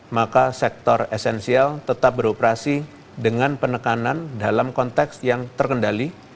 maka sektor esensial tetap beroperasi dengan penekanan dalam konteks yang terkendali